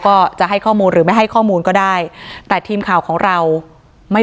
ก็จะให้ข้อมูลหรือไม่ให้ข้อมูลก็ได้แต่ทีมข่าวของเราไม่